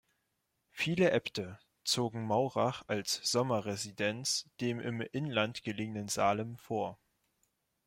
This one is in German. Viele Äbte zogen Maurach als Sommerresidenz dem im Inland gelegenen Salem vor.